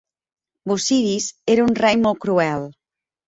Busiris era un rei molt cruel.